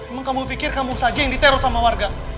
emang kamu pikir kamu saja yang diteror sama warga